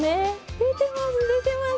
出てます